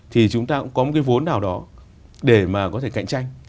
thì chúng ta cũng có một cái vốn nào đó để mà có thể cạnh tranh